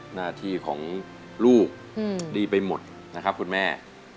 หน้าที่ของลูกดีไปหมดนะครับคุณแม่